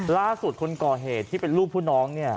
ล่าสุดคนก่อเหตุที่เป็นลูกผู้น้องเนี่ย